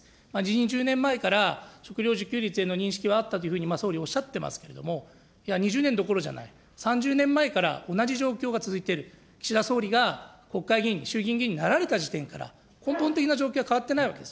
１０年前から食料自給率への認識はあったというふうに、総理おっしゃっていますけれども、いや、２０年どころじゃない、３０年前から同じ状況が続いている、岸田総理が国会議員、衆議院議員になられた時点から根本的な状況は変わってないわけです。